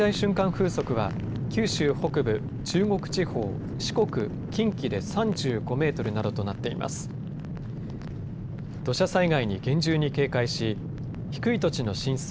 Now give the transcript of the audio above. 風速は九州北部、中国地方、四国、近畿で３５メートルなどとなっています。